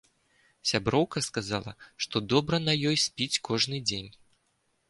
Сяброўка сказала, што добра на ёй спіць кожны дзень.